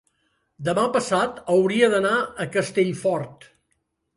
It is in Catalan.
Demà passat hauria d'anar a Castellfort.